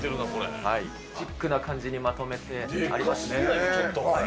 シックな感じにまとめてあります